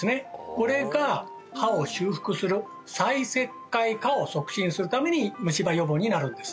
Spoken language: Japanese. これが歯を修復する再石灰化を促進するために虫歯予防になるんです